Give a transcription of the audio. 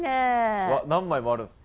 うわっ何枚もあるんですか？